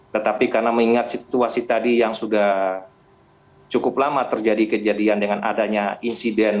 tetapi karena mengingat situasi tadi yang sudah cukup lama terjadi kejadian dengan adanya insiden